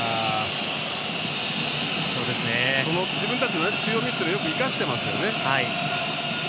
自分たちの強みっていうのをよく生かしていますよね。